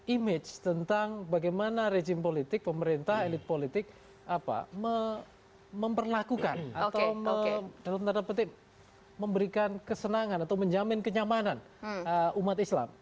image tentang bagaimana rejim politik pemerintah elit politik memperlakukan atau dalam tanda petik memberikan kesenangan atau menjamin kenyamanan umat islam